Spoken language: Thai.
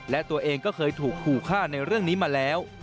และตัวเองก็เคยถูกขู่ฆ่าในเรื่องนี้มาแล้ว